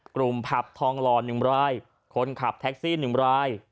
กลุ่มผักธองรอ๑รายคนขับแท็กซี่๑ราย